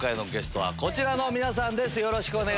はい。